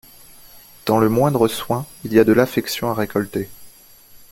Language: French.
Dans le moindre soin, il y a de l’affection à récolter.